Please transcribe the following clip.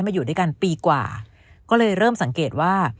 อยู่ด้วยกันปีกว่าก็เลยเริ่มสังเกตว่า